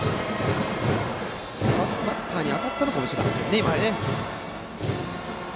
バッターに当たったかもしれません。